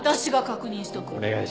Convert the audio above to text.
お願いします。